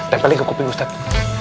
tempelin ke kuping ustadz